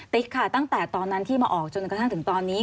ติ๊กค่ะตั้งแต่ตอนนั้นที่มาออกจนถึงตอนนี้